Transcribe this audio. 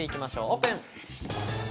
オープン！